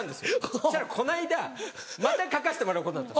そしたらこの間また書かせてもらうことになった。